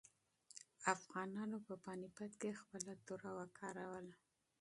افغانانو په پاني پت کې خپله توره وکاروله.